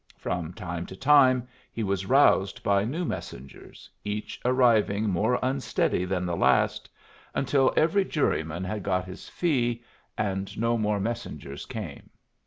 From time to time he was roused by new messengers, each arriving more unsteady than the last, until every juryman had got his fee and no more messengers came.